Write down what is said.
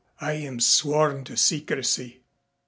I am sworn to secrecy."